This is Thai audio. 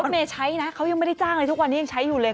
เมย์ใช้นะเขายังไม่ได้จ้างเลยทุกวันนี้ยังใช้อยู่เลย